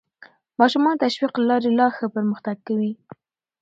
ماشومان د تشویق له لارې لا ښه پرمختګ کوي